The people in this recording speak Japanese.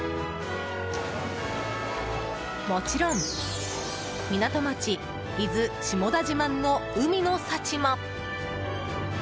もちろん港町、伊豆下田自慢の海の幸も。